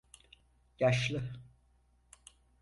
Yaşlı?